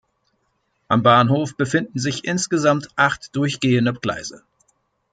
Am Bahnhof befinden sich insgesamt acht durchgehende Gleise.